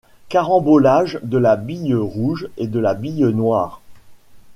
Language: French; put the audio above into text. Carambolage de la bille rouge et de la bille noire